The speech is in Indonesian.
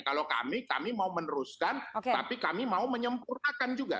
kalau kami kami mau meneruskan tapi kami mau menyempurnakan juga